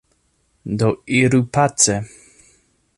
Do iru pace!